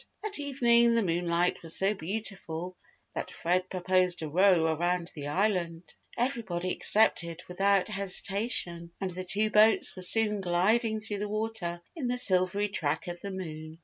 That evening, the moonlight was so beautiful that Fred proposed a row around the Island. Everybody accepted without hesitation and the two boats were soon gliding through the water in the silvery track of the moon.